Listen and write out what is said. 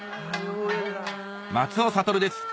松尾諭です